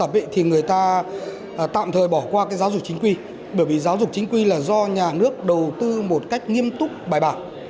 bởi vì giáo dục chính quy là do nhà nước đầu tư một cách nghiêm túc bài bản